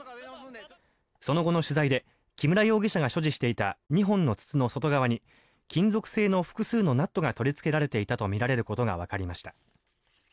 その後の取材で木村容疑者が所持していた２本の筒の外側に金属製の複数のナットが取りつけられていたとみられることがわかりました。